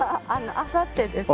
あさってです。